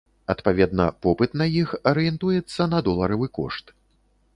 Адпаведна, попыт на іх арыентуецца на доларавы кошт.